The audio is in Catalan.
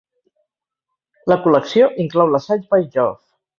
La col·lecció inclou l'assaig By Jove!